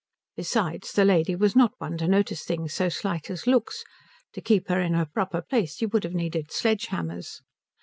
Besides, the lady was not one to notice things so slight as looks; to keep her in her proper place you would have needed sledge hammers.